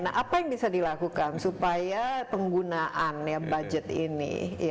nah apa yang bisa dilakukan supaya penggunaan budget ini